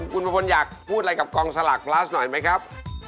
คุณประพลอยากพูดอะไรกับกองสลากพลัสหน่อยไหมครับ